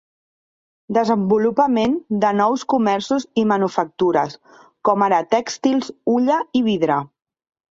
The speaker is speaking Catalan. Desenvolupament de nous comerços i manufactures, com ara tèxtils, hulla i vidre.